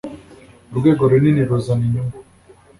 urwego runini ruzana inyungu.